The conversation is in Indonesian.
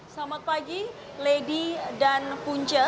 selamat pagi lady dan punca